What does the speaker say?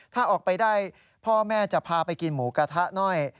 ถ้าออกไปได้พ่อแม่จะพาไปกินหมูกระทะหน่อย